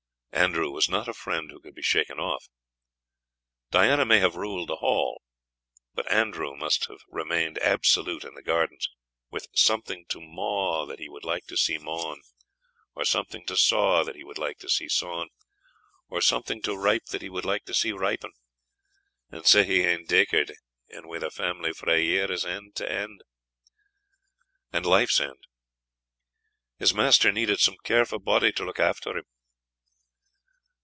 Andrew was not a friend who could be shaken off. Diana may have ruled the hall, but Andrew must have remained absolute in the gardens, with "something to maw that he would like to see mawn, or something to saw that he would like to see sawn, or something to ripe that he would like to see ripen, and sae he e'en daikered on wi' the family frae year's end to year's end," and life's end. His master "needed some carefu' body to look after him."